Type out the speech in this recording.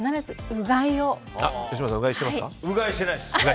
うがいしてないです。